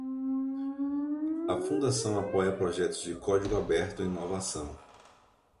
A fundação apoia projetos de código aberto e inovação.